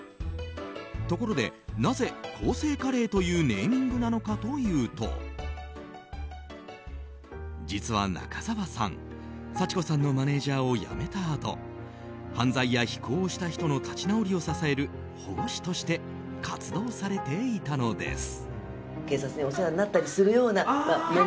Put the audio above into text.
ところで、なぜ更生カレーというネーミングなのかというと実は中澤さん、幸子さんのマネジャーを辞めたあと犯罪や非行をした人の立ち直りを支える保護司として活動されていたのです。